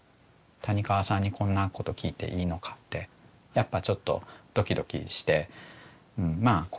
谷川さんにこんなこと聞いていいのかってやっぱちょっとドキドキしてまあ